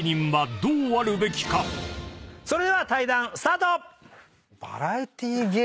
それでは対談スタート！